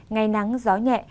ngày nắng gió nhẹ